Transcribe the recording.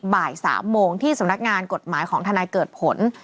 บ่าย๓โมงที่สำนักงานกฎหมายของทนายเกิดผล